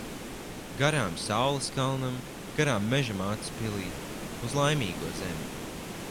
Garām saules kalnam, garām Meža mātes pilij. Uz Laimīgo zemi.